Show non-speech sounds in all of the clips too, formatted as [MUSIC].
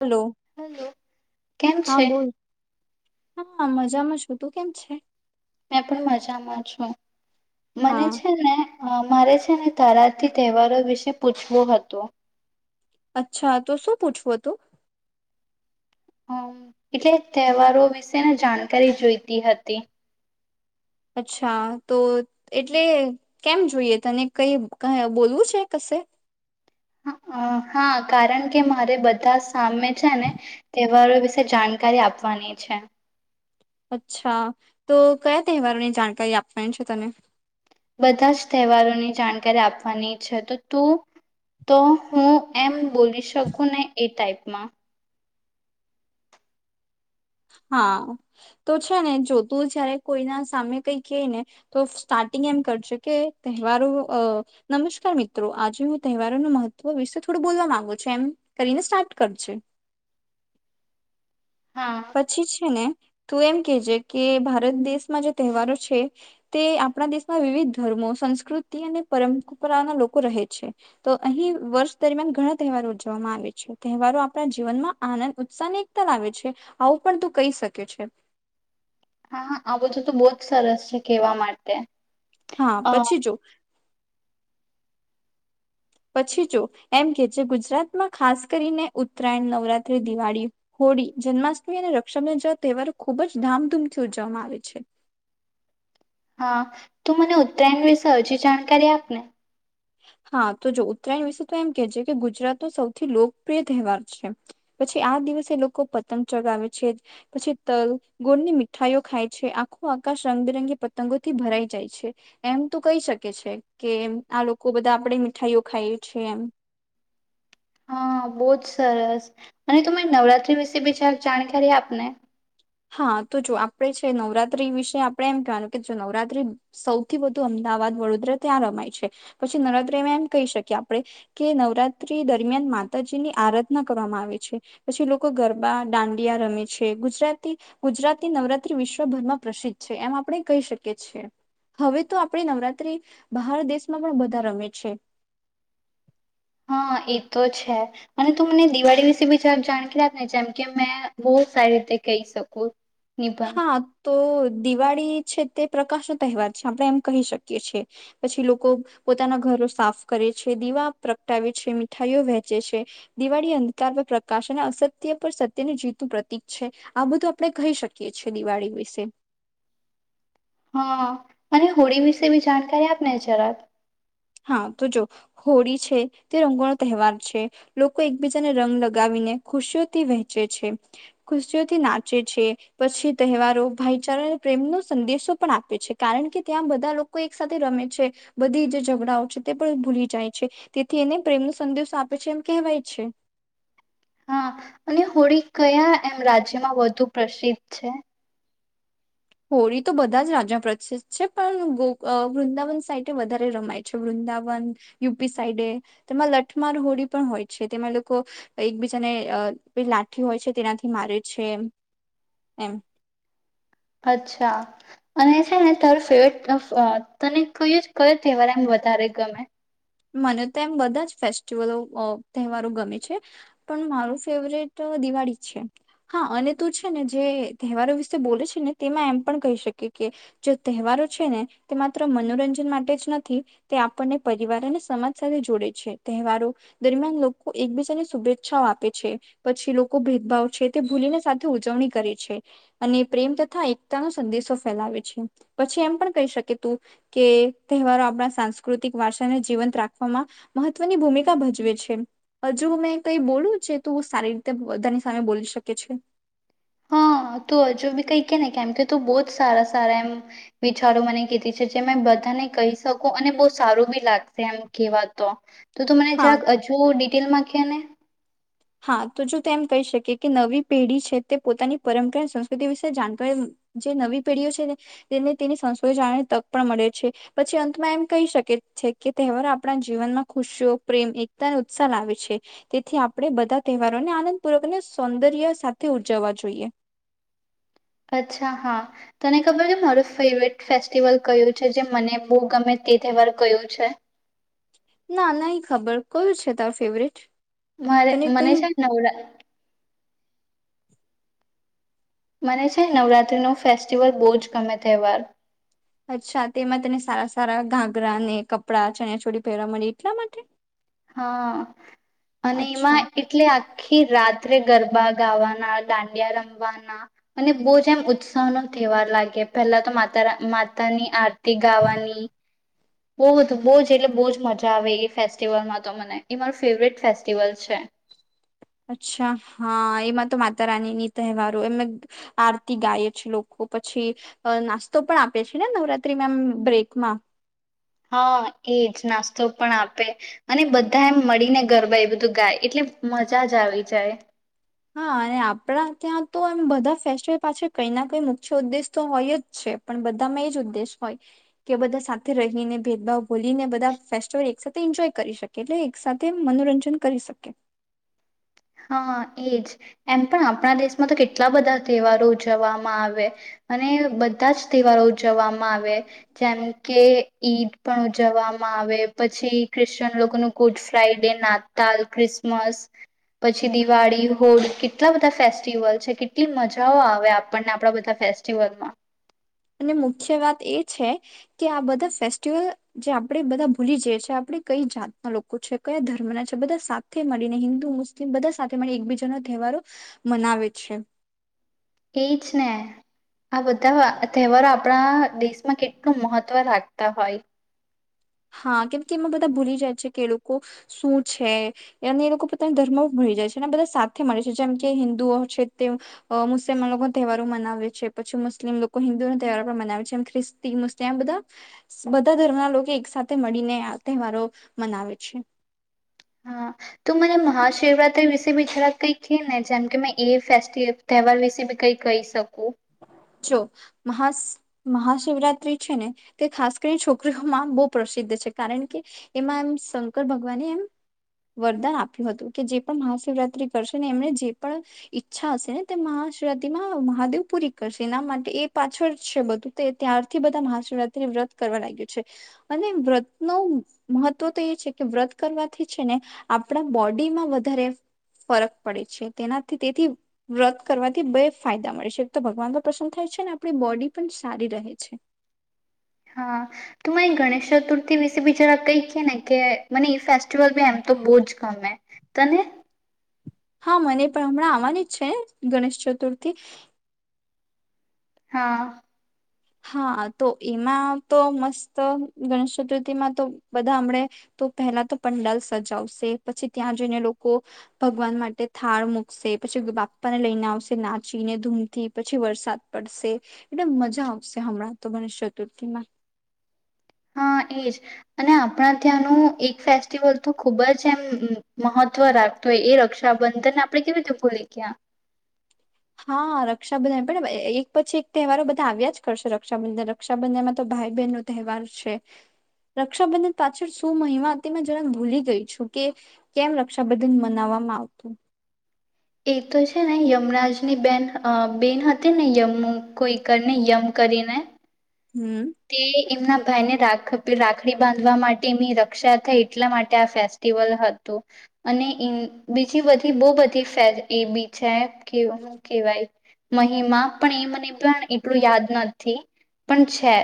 Hello hello કેમ હા છે બોલ હા મજામાં છું તું કેમ છે મે પણ મજામાં છું. મને હા છે ને અ મારે અને તારાતી તહેવારો વિશે પૂછવું હતું. અચ્છા તો શું પૂછવું હતું. હમ એટલે તહેવારો વિશેને જાણકારી જોઈતી હતી. અચ્છા તો એટલે કેમ જોઈએ તને કઈ બોલવું છે કશે હા કારણ કે મારે બધા સામે છે ને.. [UNINTELLIGIBLE] વિશે જાણકારી આપવાની છે. અચ્છા તો કયા તહેવારોની જાણકારી આપવાની છે તને બધા જ તહેવારોની જાણકારી આપવાની છે તો તું તો હું એમ.. બોલી શકું ને એ ટાઈપ.. ના હા તો છે ને જોતું જયારે કોઈના સામે કઈ કેય ને તો સ્ટાર્ટિંગ એમ કરજે કે તહેવારો અ નમસ્કાર મિત્રો આજે હું તહેવારોનું મહત્વ વિશે થોડું બોલવા માંગુ છું એમ કરીને સ્ટાર્ટ કરજે. હા પછી છે ને તું એમ કેજે કે ભારત દેશમાં જે તહેવારો છે તે આપણા દેશમાં વિવિધ ધર્મો સંસ્કૃતિ અને પરંપરાના લોકો રહે છે તો અહીં વર્ષ દરમિયાન ઘણા તહેવારો ઉજવામાં આવે છે તહેવારો આપણા જીવનમાં આનંદ ઉત્સાહને એકતા લાવે છે. આવું પણ તું કહી શકે છે. હા આ બધું તો બહુ જ સરસ છે કહેવા માટે હા અ પછી જો પછી જો એમ કે જે ગુજરાતમાં ખાસ કરીને ઉત્તરાયણ નવરાત્ર્રીદિવાળી હોળી જન્માષ્ટમી અને રક્ષાંધ જેવા તહેવારો ખૂબ જ ધામધૂમથી ઉજવવામાં આવે છે હા તું મને ઉત્તરાયણ વિશે હજી જાણકારી આપને હા તો જો ઉત્તરાયણ વિશે તો એમ કે છે કે ગુજરાતનો સૌથી લોકપ્રિય તહેવાર છે પછી આ દિવસે લોકો પતંગ ચગાવે છે પછી તલ ગોરની મીઠાઈઓ ખાય છે આખો આકાશ રંગબેરંગી પતંગોથી ભરાઈ જાય છે એમ તો કહી શકે છે કે આ લોકો ખુ બધા આપણે મીઠાઈઓ ખાઈએ છીએ એમ હા બહુજ સરસ અને ત નવરાત્રી વિશે બીજાર જાણકારી આપને હા તો જો આપણેે છે નવરાત્રી વિશે આપણે એમ કહેવાનું કે જો નવરાત્રી સૌથી વધુ અમદાવાદ વડોદરા ત્યાં રમાય છે પછી નવરાત્રી એમાં એમ કહી શકીએ આપણે કે નવરાત્રી દરમિયાન માતાજીની આરાધના કરવામાં આવે છે પછી લોકો ગરબા દાંડિયા રમે છે ગુજરાત... ગુજરાતની નવરાત્રી વિશ્વભરમાં પ્રસિદ્ધ છે એમ આપણે કહી શકીએ છએ હવે તો આપણી નવરાત્રી બહાર દેશમાં પણ બધા રમે છે. હા એ તો છે અને તું મને દિવાળી વિશે બી જબ જાણકાર રા ને જેમ કે મેં બહુ સારી રીતે કહી શકું નિબંધ હા તો દિવાળી છે તે પ્રકાશ નો તહેવાર છે આપણે એમ કહી શકીએ છીએ, પછી લોકો પોતાના ઘરો સાફ કરે છે દીવા પ્રગટાવે છે મીઠાઈઓ વહેંચે છે, દિવાળી અંધકાર પર પ્રકાશ અને અસત્ય પર સત્યને જીતું પ્રતિક છે, આ બધું આપડણે કહી શકીએ. કે છે દિવાળી વિશે. હા અને હોળી વિશે બી જાણકારી આપને જરાક. હા તો જો હોળી છે તે રંગો નો તહેવાર છે, લોકો એકબીજાને રંગ લગાવીને ખુશીઓથી વહેંચે છે, ખુશીઓથી નાચે છે પછી તહેવારો ભાઈચારાને પ્રેમનો સંદેશો પણ આપે છે કારણ કે ત્યાં બધા લોકો એક સાથે રમે છે, બધી ડા છે તે પણ ભૂલી જાય છે, તેથી એને પ્રેમ ન સંદેશો આપે છે એમ કહેવાય છે. હા, અને હોળી કયા એમ રાજ્યમાં વધુ પ્રસિદ્ધ છે? હોળી તો બધા જ રાજ્યો પ્રસિદ્ધ છે પણ વૃંદાવન સાઈડ વધારે રમાય છે વૃંદાવન, યુપી સાઈડે તેમાં લઠમાર હોળી પણ હોય છે તેમાં લોકો, એકબીજાને લાઠી હોય છે તેનાથી મારે છે એમ. અચ્છા, અને છે ને તારો ફેવરેટ તને કહ ક તહેવાર એમ વધારે ગમે? મને તો એમ બધા જ ફેસ્ટિવલો તહેવારો ગમે છે, પણ મારું ફેવરેટ દિવાળી છે, હા અને તું છે ને જે તહેવારો વિશે બોલે છે ને તેમાં એમ પણ કહી શકી કે, જે તહેવારો છે ને તે માત્ર મનોરંજન માટે જ નથી તે આપણને પરિવારને સમાજ સાથે જોડે છે તહેવારો, દરમિયાન લોકો એકબીજાને શુભેચ્છાઓ આપે છે પછી લોકો ભેદભાવ છે, તે ભૂલીને સાથે ઉજવણી કરે છે, અને પ્રેમ તથા એકતા ન સંદેશો ફેલાવે છે પછી એમ પણ કહી શકે તું કે તહેવારો આપણા સાંસ્કૃતિક વારસાને જીવન રાખવામાં, મહત્વની ભૂમિકા ભજવે છે, જો મેં કઈ બોલું છે તો સારી રીતે બધાની સામે બોલી શકે છે. હા તું હજુ બી કઈ કે ને કેમ કે ત બહુ જ સારા સારા, એમ વિચારો મને કીધી છે જે મે બધાને કહી શકું અને બહુ સારું બી લાગશે એમ કેવાતો. તો તું મને હા. જક હજુ ડિટેલમાં કે ને. હા તો જો તે એમ કહી શકી કે નવી પેઢી છે તે પોતાની પરંપરા અને સંસ્કૃતિ વિશે જાણતા જે નવી પેઢીઓ છેને તેને તેની સંસ્કૃતિ જાણવાની તક પણ મળે છે પછી અંતમાં એમ કહી શકે છે કે તહેવારો આપણા જીવનમાં ખુશીઓ પ્રેમ એકતા અને ઉત્સાહ લાવે છે, તેથી આપણે બધા તહેવારોને આનંદપૂર્વક અને સૌંદર્ય સાથે ઉજવવા જોઈએ. અચ્છા હા, તને ખબર છે મારું ફેવરેટ ફેસ્ટિવલ કયું છે જે મને બહુ ગમે તે તહેવાર કયો છે? ના નહી ખબર કોયું છે તારું ફેવરેટ? મારે તને મને કયું છેને નવડા મને છે નવરાત્રી નો ફેસ્ટિવલ બહુ જ ગમે તહેવાર. અચ્છા તેમાં તને સારા સારા ઘાગરા ને કપડાં ચણચોડી પહેરવા મળે એટલા માટે? હા. અને અચ્છા એમાં એટલે આખી રાત ત્રે ગરબા ગાવાના દાંડિયા રમવાના અને બહુ જ એમ ઉત્સાહ નો તહેવાર લાગે પેલા તો માતા રા માતાની આરતી ગાવાની બહુું બહુ જ એટલે બહુ જ મજા આવે એ ફેસ્ટિવલમાં તો મને એ માર ફેવરેટ ફેસ્ટિવલ છે. અચ્છા હા એમાં તો માતા રાનીની તહેવારો એમે આરતી ગાય છેએ લોકો પછી અહ નાસ્તો પણ આપે છે ને નવરાત્રીમાં એમ બ્રેકમાં. હા, એજ નાસ્તો પણ આપે અને બધા એમ મળીને ગરબા એ બધું ગાય એટલે મજા જ આવી જાય. હા, અને આપણા ત્યાં તો એમ બધા ફેસ્ટિવલ પાછ કઈ ના કઈ મુખ્ય ઉદ્દેશ તો હોય જ છે પણ બધામાં એ જ ઉદ્દેશ હોય કે બધા સાથે રહીને ભેદભાવ ભોલીને બધા ફેસ્ટિવલ એક સાથે એન્જોય કરી શકે એટલે એક સાથે મનોરંજન કરી શકે. હા, એજ એમ પણ આપણા દેશમાં તો કેટલા બધા તહેવારો ઉજવવામાં આવે અને બધા જ તહેવારો ઉજવવામાં આવે જેમ કે ઈદ પણ ઉજવવામાં આવે પછી ક્રિશ્ચયન લોકોનું ગુડ ફ્રાઈડે નાતાલ ક્રિસમસ પછી દિવાળી હોળી કેટલા બધા ફેસ્ટિવલ છે કેટલી મજાઓ આવે આપણને આપણા બધા ફેસ્ટિવલમાં. અને મુખ્ય વાત એ છે કે આ બધા ફેસ્ટિવલ જે આપડે બધા ભૂલી જઈ છીએ આપણે કઈ જાતના લોકો છે કયા ધર્મના છે બધા સાથે મળીને હિન્દુ મુસ્લિમ બધા સાથે મળી એકબીજાનો તહેવારો મનાવે છે. એજ ને આ બધા તહેવારો આપડા દેશમાં કેટલું મહત્વ રાખતા હોય હા, કેમકે એમાં બધા ભૂલી જાય છે કે એ લોકો શું છે અને એ લોકો પોતાના ધર્મ ભૂલી જાય છે બધા સાથે મળે છે જેમ કે હિન્દુઓ છે તેઓ અહ મુસ્લિમન તહેવારો મનાવે છે પછી મુસ્લિમ લોકો હિન્દુઓ તહેવારો પણ મનાવે છેમ ખ્રિસ્તી મુસ્લિમ એમ બધા બધા ધર્મના લોકો એક સાથે મળીને આ તહેવારો મનાવે છે. હા, તો મને મહાશિવરાત્રી વિશે બી જરાક કઈ કે ને જેમ કે મેં એ ફેસ્ટ તહેવાર વિશે બી કઈ કહી શકું. જો મહા મહાશિવરાત્રી છે ને તે ખાસ કરીને છોકરીઓમાં બહુ પ્રસિદ્ધ છે કારણ કે એમાં એમ શંકર ભગવાને એમ વરદાન આપ્યું હતું કે જે પણ મહાશિવરાત્રી કરશે ને એમને જે પણ ઈચ્છા હશે ને તે મહાશિવરાત્રીમાં મહાદેવ પૂરી કરશે એના માટે એ પાછળ છે બધું તો ત્યારથી બધા મહાશિવરાત્રીને વ્રત કરવા લાગ્યું છે. અને વ્રતનું મહત્વ તો એ છે કે વ્રત કરવાથી છે ને આપણા બોડીમાં વધારે ફરક પડે છે. તેનાથી તેથી વ્રત કરવાથી બે ફાયદા મળે છે તો ભગવાન તો પ્રસન્ન થાય છે ને આપડી બોડી પણ સારી રહે છે. હા, તો મને ગણેશ ચતુર્થી વિશે બી જરા કઈ ક ને કે મને એ ફેસ્ટિવલ બી એમ તો બહુ જ ગમે. તને? હા, મને પણ હમણાં આવવાની જ છે ગણેશ ચતુર્થી. હા. હા તો એમાં તો મસ્ત ગણેશ ચતુર્થી માં તો બધા હમડે તો પહેલા તો પંડાલ સજાવશે પછી ત્યાં જઈને લોકો ભગવાન માટે થાળ મૂકશે પછી બાપ્પા ને લઈને આવશે નાચીને ધૂમથી પછી વરસાદ પડશે એટલે મજા આવશે. હણા તો ગણ ચતુર્થીમાં હા એજ અને આપણા ત્યાંનું એક ફેસ્ટિવલ તો ખૂબ જ એમ મહત્વ રાખતો હોય એ રક્ષાબંધનને આપણે કેવી રીતે ભૂલી ગયા. હા રક્ષાબંધન પણ એક પછી એક તહેવારો બધા આવ્યા જ કરશે રક્ષાબંધન રક્ષાબંધનમાં તો ભાઈ બહેન નો તહેવાર છે રક્ષાબંધન પાછળ શું મહિમા હતી મે જરા ભૂલી ગઈ છું કે કેમ રક્ષાબંધન મનાવવામાં આવતું. એ તો છે ને યમરાજની બેન બેન હતી ને યમ કોઈકરને યમ કરીને. હમ તે એમના ભાઈને રાખ રાખડી બાંધવા માટે એની રક્ષા થઈ એટલા માટે આ ફેસ્ટિવલ હતું અને બીજી બધી બહુ બધી એ બી છે. કે કેવાય મહિમા પણ એ મને પણ એટલું યાદ નથી પણ છે.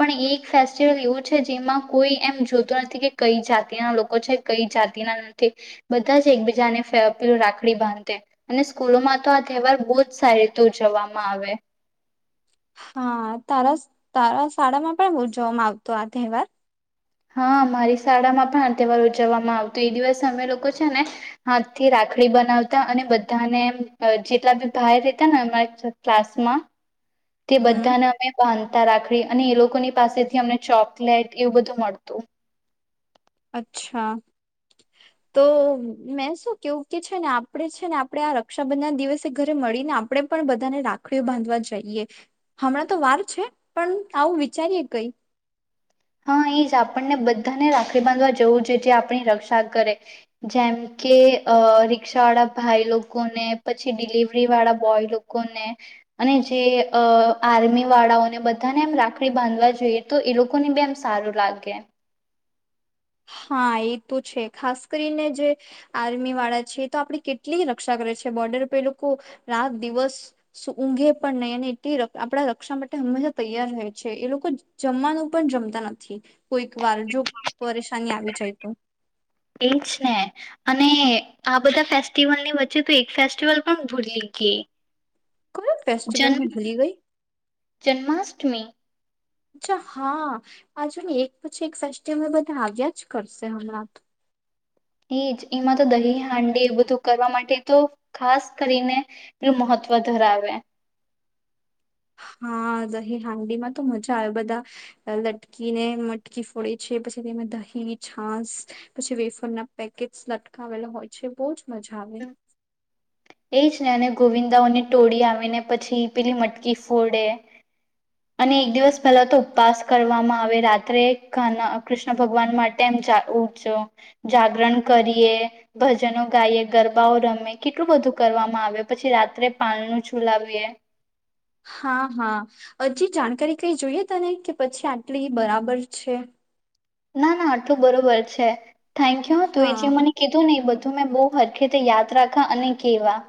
પણ એક ફેસ્ટિવલ એવું છે જેમાં કોઈ એમ જોતું નથી કે કઈ જાતિના લોકો છે કઈ જાતિના નથી બધા જ એકબીજાને ફું રાખડી બાંધે અને સ્કૂલોમાં તો આ તહેવાર બહુ જ સારી રીતે ઉજવવામાં આવે. હા તારા તારા શાળામાં પણ ઉજવવામાં આવતો આ તહેવાર હા મારી શાળામાં પણ તહેવાર ઉજવવામાં આવતો એ દિવસ અમે લોકો છે ને હાથથી રાખડી બનાવતા અને બધાને જેટલા બી બાર રહેતા ને અમારા ક્લાસમાં તે હમ બધાને અમે પાંધ રાખડી અને એ લોકો ને પાસેથી અમને ચોપ ટ એવું બધું મળતું. અચ્છા તો મેં શું કેવું કે છે ને આપણે છે ને આપણે આ રક્ષાબંધન દિવસે ઘરે મળીને આપણે પણ બધાને રાખડીઓ બાંધવા જઈએ હમણાં તો વાર છે પણ આવું વિચારીએ કઈ હા એ જ આપણને બધાને રાખડી બાંધવા જવું જોઈએ જે આપણી રક્ષા કરે જેમ કે અ રિકષા વાળા ભાઈ લોકોને પછી ડિલિવરી વાળા બોય લોકોને અને જે આર્મી વાળાઓને બધાને એમ રાખડી બાંધવા જોઈએ તો એ લોકોને બી એમ સારું લાગે. હા એ તો છે ખાસ કરીને જે આર્મી વાળા છે એ તો આપડી કેટલી રક્ષા કરે છે બોર્ડર પરે એ લોકો રાત દિવસ ઊંઘે પણ નહીં અને એટલી આપણા રક્ષા માટે હંમેશા તૈયાર રહે છે એ લોકો જમવાનું પણ જમતા નથી કોઈક વાર જો પરેશાની આવી જાય તો એજ ને અને અને આ બધા ફેસ્ટિવલ ની વચ્ચે તો એક ફેસ્ટિવલ પણ ભૂલી ગેઈ કોઈ ફેસ્ટિવલ હું ભૂલી ગઈ. અઠમી અચ્છા હા આજુ એક પછી એક સેસ્ટી અમે બધા આવ્યા જ કરશે હમણાં તો એજ એમાં તો દહી હાંડી એ બધું કરવા માટે તો ખાસ કરીને એલું મહત્વ ધરાવે હા દહી હાંડી માં તો મજા આવે બધા લટકી ને મટકી ફોડે છે પછી તેમાં દહી છાસ પછી વેફન ના પેકેટ લટકાવેલા હોય છે બહુ જ મજાવે. એ જ ને અને ગોવિંદાઓની ટોળી આવીને પછી પેલી મટકી ફોડે. અને એક દિવસ પહેલા તો ઉપવાસ કરવામાં આવે રાત્રે ઘ કૃષ્ણ ભગવાન માટે એમ ઉજો જાગરણ કરીએ ભજનો ગાઈએ ગરબાઓ રમે કેટલું બધું કરવામાં આવે પછી રાત્રે પાળનું છુલાવીએ હા હા હજી જાણકારી કઈ જોઈએ તને કે પછી આટલી બરાબર છે. ના ના આટલું બરોબર છે. થેન્કયુ તું એ હા જે મને કીધું ને એ બધ ધુ મેં બહુ હરખતે યાદ રાખા અને કેવા.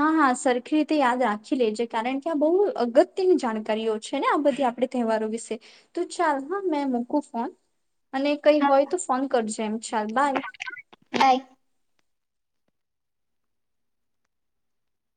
હા હા સરખી રીતે યાદ રાખી લેજે કારણ કે આ બહુ અગત્યની જાણકારીઓ છે ને આ બધી આપણે તહેવારો વિશે તો ચાલ હા મેં મૂકું ફોન અને કઈ હા હોય તો ફોન કરજે એમ ચાલ બાય. બાય.